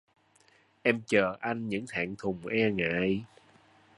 Em chờ anh những thẹn thùng e ngại